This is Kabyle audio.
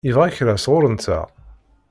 Yebɣa kra sɣur-nteɣ?